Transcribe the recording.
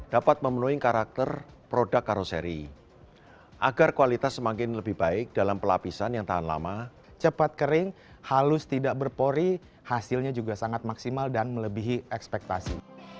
dapat memenuhi karakter produk karoseri agar kualitas semakin lebih baik dalam pelapisan yang tahan lama cepat kering halus tidak berpori hasilnya juga sangat maksimal dan melebihi ekspektasi